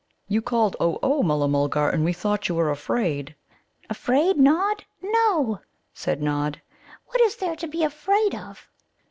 "You called 'O, O!' Mulla mulgar, and we thought you were afraid." "Afraid! Nod? No!" said Nod. "What is there to be afraid of?"